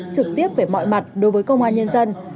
trực tiếp về mọi mặt đối với công an nhân dân